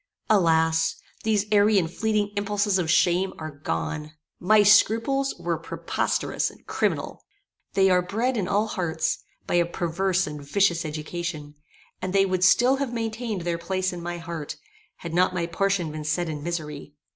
Alas! these airy and fleeting impulses of shame are gone. My scruples were preposterous and criminal. They are bred in all hearts, by a perverse and vicious education, and they would still have maintained their place in my heart, had not my portion been set in misery.